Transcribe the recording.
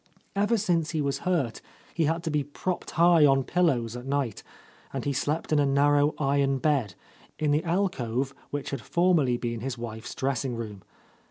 Ever since he was hurt he had to be propped high on pillows at night, and he slept in a narrow iron bed, in the alcove which had formerly been his wife's dressing room.